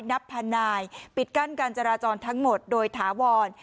นับพันนายปิดกั้นการจราจรทั้งหมดโดยถาวร